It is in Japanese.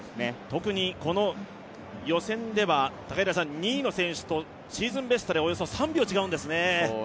特にこの予選では２位の選手とシーズンベストでおよそ３秒、違うんですね。